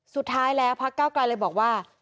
สุดท้ายแล้วพักเก้าไกลเลยบอกว่า